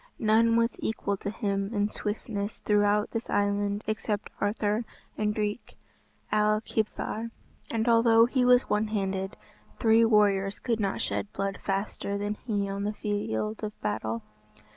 None was equal to him in swiftness throughout this island except Arthur and Drych Ail Kibthar. And although he was one handed, three warriors could not shed blood faster than he on the field of battle.